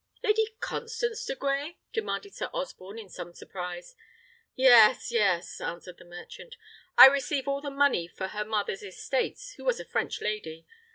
"Lady Constance de Grey?" demanded Sir Osborne, in some surprise. "Yes, yes!" answered the merchant. "I receive all the money for her mother's estates, who was a French lady.